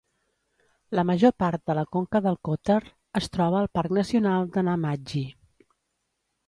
La major part de la conca del Cotter es troba al Parc Nacional de Namadgi.